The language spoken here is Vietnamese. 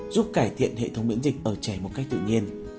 giúp cải thiện hệ thống miễn dịch ở trẻ một cách tự nhiên